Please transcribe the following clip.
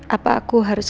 apa aku harus kasih